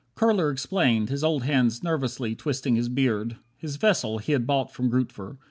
Kurler explained, his old hands nervously Twisting his beard. His vessel he had bought From Grootver.